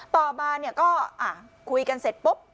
ต่อมาก็คุยกันเสร็จปุ๊บ